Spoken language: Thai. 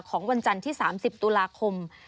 วันจันทร์ที่๓๐ตุลาคม